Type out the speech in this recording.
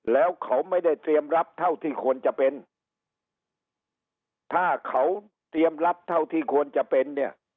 แล้วเขาไม่ได้เตรียมรับเท่าที่ควรจะเป็นถ้าเขาเตรียมรับเท่าที่ควรจะเป็นเนี่ย